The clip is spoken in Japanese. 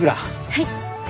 はい。